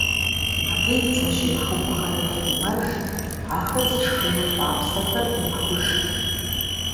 Абы и бдзэжьей хугухэр ехъумэж, ахэр зышхыну хъуапсэхэр Ӏуехуж.